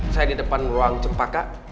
saya di depan ruang cempaka